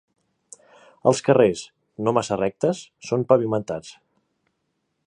Els carrers, no massa rectes, són pavimentats.